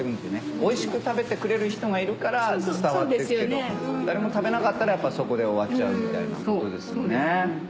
おいしく食べてくれる人がいるから伝わって行くけど誰も食べなかったらそこで終わっちゃうみたいなことですよね。